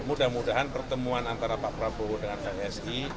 mudah mudahan pertemuan antara pak prabowo dengan psi